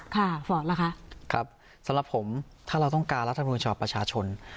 ค่ะเฝียบเหาะล่ะคะครับสำหรับผมถ้าเราต้องการรัฐมนุมจากประชาชน